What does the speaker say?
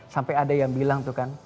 sampai ada yang bilang tuh kan